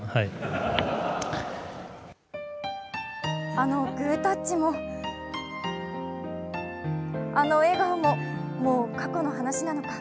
あのグータッチもあの笑顔も、もう過去の話なのか。